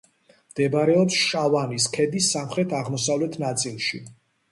მდებარეობს შავანის ქედის სამხრეთ-აღმოსავლეთ ნაწილში.